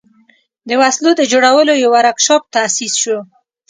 د وسلو د جوړولو یو ورکشاپ تأسیس شو.